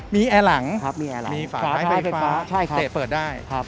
มีแอร์หลังมีฝาท้ายไฟฟ้าเตะเปิดได้